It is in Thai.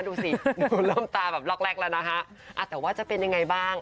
ดูสิดูเริ่มตาแบบล็อกแรกแล้วนะคะแต่ว่าจะเป็นยังไงบ้าง